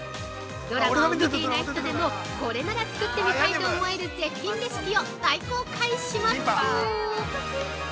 ドラマを見ていない人でもこれなら作ってみたいと思える絶品レシピを大公開します。